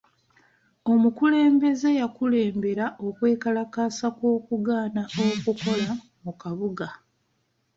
Omukulembeze yakulembera okwekalakasa kw'okugaana okukola mu kabuga.